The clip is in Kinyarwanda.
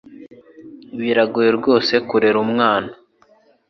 Biragoye rwose kurera umwana.